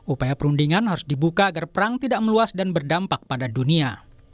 upaya perundingan harus dibuka agar perang tidak meluas dan berdampak pada dunia